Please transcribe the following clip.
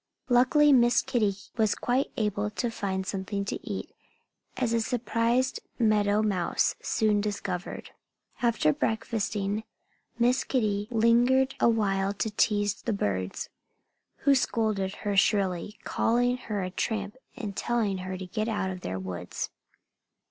Luckily Miss Kitty was quite able to find something to eat, as a surprised meadow mouse soon discovered. After breakfasting, Miss Kitty lingered a while to tease the birds, who scolded her shrilly, calling her a tramp and telling her to get out of their woods.